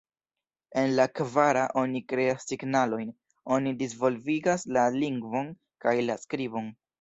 En la kvara oni kreas signalojn, oni disvolvigas la lingvon kaj la skribon.